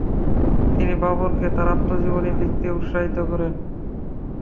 তিনি বাবরকে তার আত্মজীবনী লিখতে উত্সাহিত করেন।